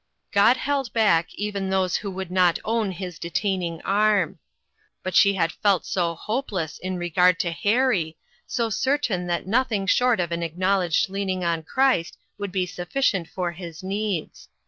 God held back even those who would not own his detaining arm. But she had felt so hopeless in regard to Harry, so cer tain that nothing short of an acknowledged leaning on Christ would be sufficient for his needs.